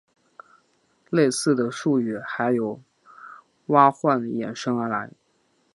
类似的术语还有硅烷衍生而来。